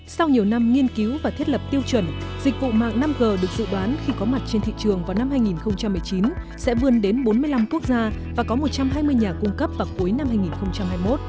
sau nhiều năm nghiên cứu và thiết lập tiêu chuẩn dịch vụ mạng năm g được dự đoán khi có mặt trên thị trường vào năm hai nghìn một mươi chín sẽ vươn đến bốn mươi năm quốc gia và có một trăm hai mươi nhà cung cấp vào cuối năm hai nghìn hai mươi một